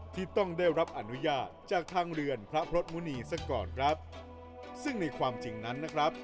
ที่ต้องได้รับอนุญาตจากทางเรือนพระพรสมุณีซะก่อนครับซึ่งในความจริงนั้นนะครับ